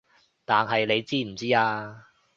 但係你知唔知啊